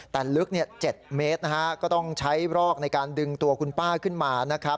แต่ลึก๗เมตรก็ต้องใช้รอกในการดึงตัวคุณป้าขึ้นมา